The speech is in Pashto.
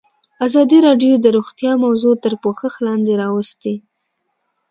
ازادي راډیو د روغتیا موضوع تر پوښښ لاندې راوستې.